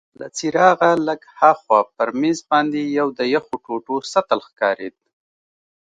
له څراغه لږ هاخوا پر مېز باندي یو د یخو ټوټو سطل ښکارید.